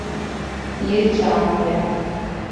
یے چاند ہے